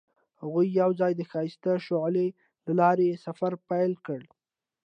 هغوی یوځای د ښایسته شعله له لارې سفر پیل کړ.